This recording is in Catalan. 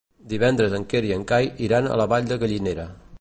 Divendres en Quer i en Cai iran a la Vall de Gallinera.